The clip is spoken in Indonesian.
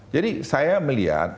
jadi saya melihat